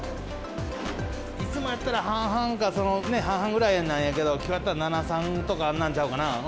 いつもやったら半々ぐらいなんやけど、きょうやったら７・３とか、そんなんちゃうかな。